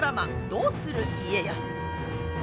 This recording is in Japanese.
「どうする家康」。